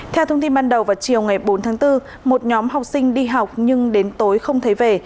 theo thông tin ban đầu vào chiều ngày bốn tháng bốn một nhóm học sinh đi học nhưng đến tối không thấy về